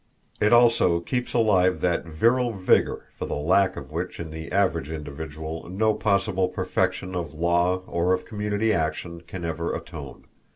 It also keeps alive that virile vigor for the lack of which in the average individual no possible perfection of law or of community action can ever atone.